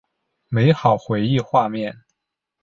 美好回忆画面